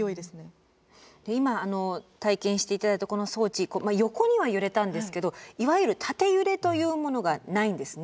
今体験して頂いたこの装置横には揺れたんですけどいわゆる縦揺れというものがないんですね。